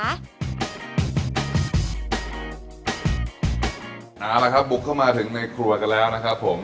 เอาละครับบุกเข้ามาถึงในครัวกันแล้วนะครับผม